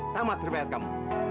tamat pribadiat kamu